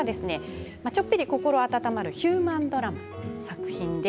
ちょっぴり心温まるヒューマンドラマです。